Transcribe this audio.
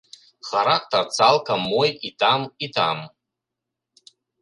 Характар цалкам мой і там, і там.